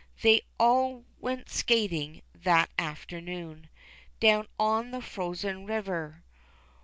They all went skating that afternoon Down on the frozen river.